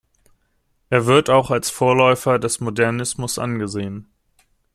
Er wird auch als Vorläufer des Modernismus angesehen.